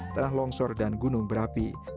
tanah longsor dan gunung berapi